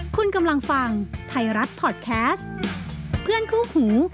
คุณกำลังฟังไทยรัฐพอร์ตแคสต์เพื่อนคู่หู